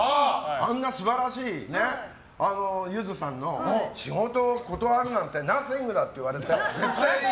あんな素晴らしいゆずさんの仕事を断るなんてナッシングだって言われて。